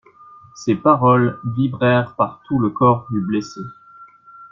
Ces paroles vibrèrent par tout le corps du blessé.